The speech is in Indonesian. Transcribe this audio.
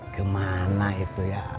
kemana itu ya